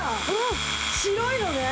白いのね。